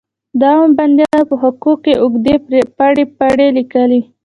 د عامو بندیانو په حقوقو یې اوږدې پرپړې لیکلې.